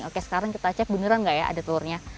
oke sekarang kita cek beneran nggak ya ada telurnya